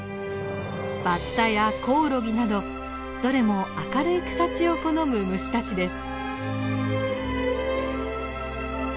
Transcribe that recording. バッタやコオロギなどどれも明るい草地を好む虫たちです。